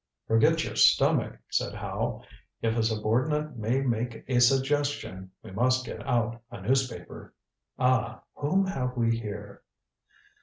"Forget your stomach," said Howe. "If a subordinate may make a suggestion, we must get out a newspaper. Ah, whom have we here?"